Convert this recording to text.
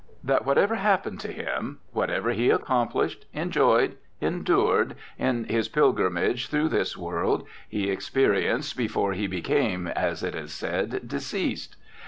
That whatever happened to him, whatever he accomplished, enjoyed, endured, in his pilgrimage through this world he experienced before he became, as it is said, deceased.